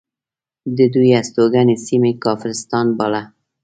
د دوی هستوګنې سیمه یې کافرستان باله.